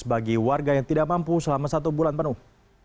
bagi warga yang tidak mampu selama satu bulan penuh